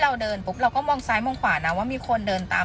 เราเดินปุ๊บเราก็มองซ้ายมองขวานะว่ามีคนเดินตาม